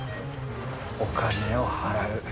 お金を払う。